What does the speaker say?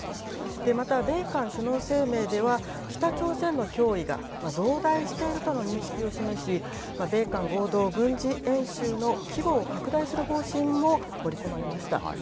また、米韓首脳声明では、北朝鮮の脅威が増大しているとの認識を示し、米韓合同軍事演習の規模を拡大する方針も盛り込まれました。